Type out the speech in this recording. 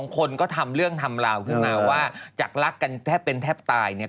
คนก็ทำเรื่องทำราวขึ้นมาว่าจากรักกันแทบเป็นแทบตายเนี่ย